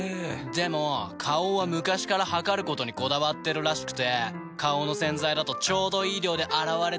でも花王は昔から量ることにこだわってるらしくて花王の洗剤だとちょうどいい量で洗われてるなって。